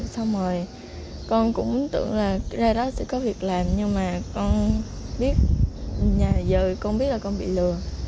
xong rồi con cũng tượng là ra đó sẽ có việc làm nhưng mà con biết nhà giờ con biết là con bị lừa